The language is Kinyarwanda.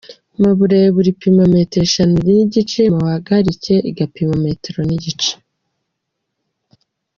Mu burebure ipima metero eshanu n’igice, mu buhagarike igapima metero n’igice.